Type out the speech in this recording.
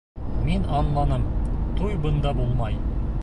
Мин аңланым: туй бында булмай.